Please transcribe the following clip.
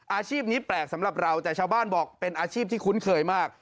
อาชีพนี้แปลกสำหรับเราแต่ชาวบ้านบอกเป็นอาชีพที่คุ้นเคยมาก